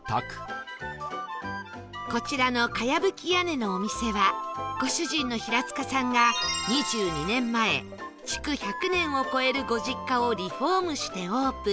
こちらの茅葺き屋根のお店はご主人のヒラツカさんが２２年前築１００年を超えるご実家をリフォームしてオープン